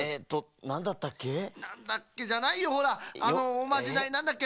なんだっけじゃないよほらあのおまじないなんだっけほら。